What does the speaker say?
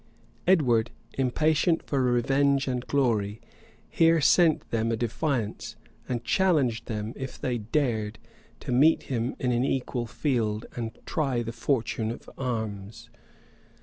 Edward, impatient for revenge and glory, here sent them a defiance, and challenged them, if they dared, to meet him in an equal field, and try the fortune of arms.